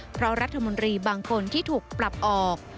เพราะรัฐมนตรีบางคนที่ถูกปรับออก